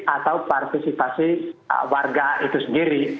atau partisipasi warga itu sendiri